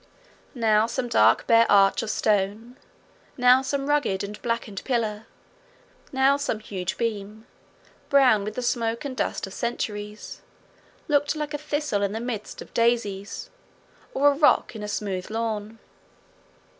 Now some dark bare arch of stone, now some rugged and blackened pillar, now some huge beam, brown with the smoke and dust of centuries, looked like a thistle in the midst of daisies, or a rock in a smooth lawn.